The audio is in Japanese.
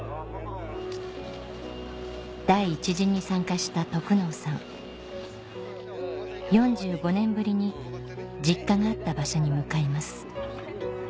第１陣に参加した４５年ぶりに実家があった場所に向かいます